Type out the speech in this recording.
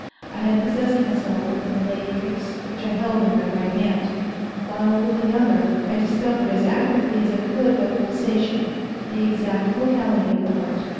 I had possessed myself of the Malay creese, which I held in my right hand, while with the other I discovered as accurately as I could by pulsation the exact locality of the heart.